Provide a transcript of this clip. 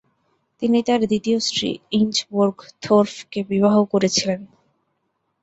তিনি তার দ্বিতীয় স্ত্রী ইঞ্জবোর্গ থোর্ফকে বিবাহ করেছিলেন।